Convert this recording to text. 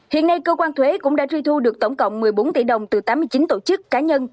hiện nay cơ quan thuế cũng đã truy thu được tổng cộng một mươi bốn tỷ đồng từ tám mươi chín tổ chức cá nhân